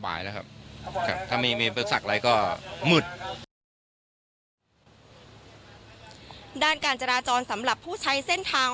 ด้านการจราจรสำหรับผู้ใช้เส้นทางด้านการจราจรสำหรับผู้ใช้เส้นทาง